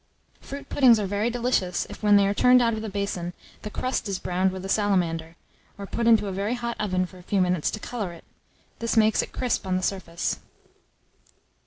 Fruit puddings are very delicious if, when they are turned out of the basin, the crust is browned with a salamander, or put into a very hot oven for a few minutes to colour it: this makes it crisp on the surface.